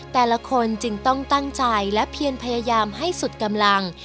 แต่ละคนจึงต้องตั้งใจและเพียนพยายามให้สุดกำลัง